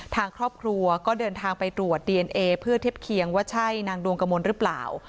ทางครอบครัวก็เดินทางไปตรวจดีเอนเอเพื่อเทียบเคียงว่าใช่นางดวงกระมวลหรือเปล่า